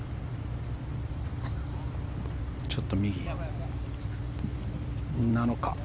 ちょっと右なのか。